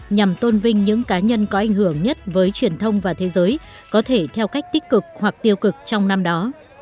nhằm tôn vinh những cá nhân có ảnh hưởng nhất với truyền thông và thế giới có thể theo cách tích cực hoặc tiêu cực trong năm đó